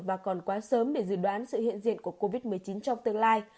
và còn quá sớm để dự đoán sự hiện diện của covid một mươi chín trong tương lai